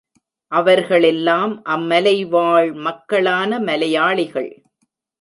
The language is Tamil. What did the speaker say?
அவர்களெல்லாம் அம்மலை வாழ் மக்களான மலையாளிகள்.